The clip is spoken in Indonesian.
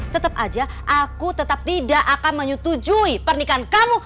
tetep aja aku tetep tidak akan menyetujui pernikahan kamu